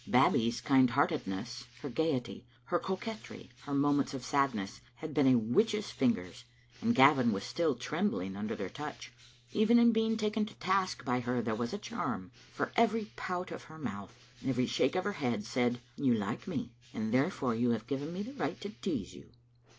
Babbie's kind heartedness, her gaiety, her coquetry, her moments of sadness, had been a witch's fingers, and Gavin was still trembling under their touch. Even in being taken to task by her there was a charm, for every pout of her mouth, every shake of her head, said, " You like me, and therefore you have given me the right to tease you."